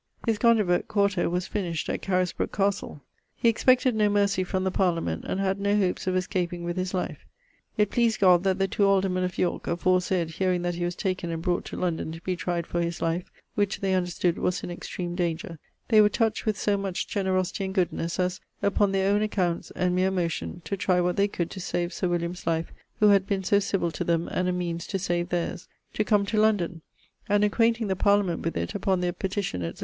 His Gondibert, 4to, was finished at Caresbroke castle. He expected no mercy from the Parliament, and had no hopes of escaping his life. It pleased God that the two aldermen of Yorke aforesayd hearing that he was taken and brought to London to be tryed for his life, which they understood was in extreme danger, they were touch with so much generosity and goodnes, as, upon their owne accounts and meer motion, to try what they could to save Sir William's life who had been so civill to them and a meanes to save theirs, to come to London: and acquainting the Parliament with it, upon their petition, etc.